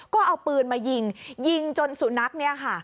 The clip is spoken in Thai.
ก็เอาปืนมายิงยิงจนสุนัขเนี่ยค่ะ